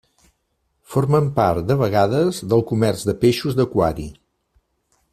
Formen part, de vegades, del comerç de peixos d'aquari.